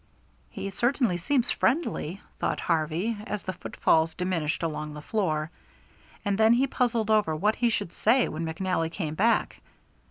"He certainly seems friendly," thought Harvey, as the footfalls diminished along the floor, and then he puzzled over what he should say when McNally came back.